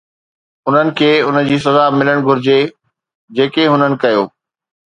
انهن کي ان جي سزا ملڻ گهرجي جيڪي هنن ڪيو.